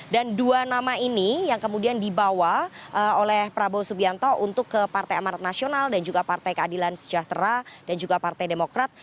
dua nama ini yang kemudian dibawa oleh prabowo subianto untuk ke partai amarat nasional dan juga partai keadilan sejahtera dan juga partai demokrat